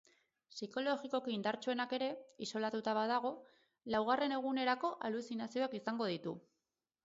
Psikologikoki indartsuenak ere, isolatuta badago, laugarren egunerako aluzinazioak izango ditu.